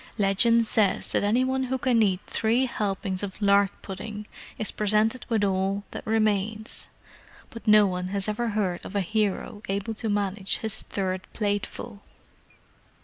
Legend says that any one who can eat three helpings of lark pudding is presented with all that remains: but no one has ever heard of a hero able to manage his third plateful!